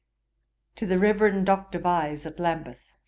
'To THE REVEREND DR. VYSE, AT LAMBETH.